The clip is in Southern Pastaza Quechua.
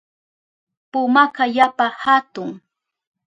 Pumaka yapa hatun.